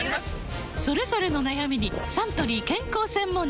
それぞれの悩みにサントリー健康専門茶